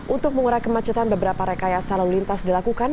untuk mengurai kemacetan beberapa rekaya salur lintas dilakukan